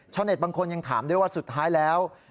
บางคนยังถามด้วยว่าสุดท้ายแล้ว